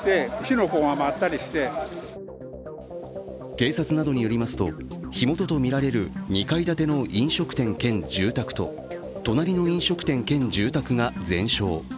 警察などによりますと、火元とみられる２階建ての飲食店兼住宅と隣の飲食店兼住宅が全焼。